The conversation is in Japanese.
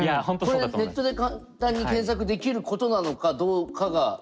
これネットで簡単に検索できることなのかどうかが分からない。